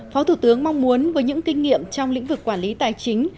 phó thủ tướng mong muốn với những kinh nghiệm trong lĩnh vực quản lý tài chính